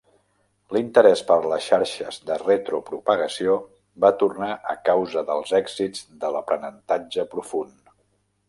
L'interès per les xarxes de retropropagació va tornar a causa dels èxits de l'aprenentatge profund.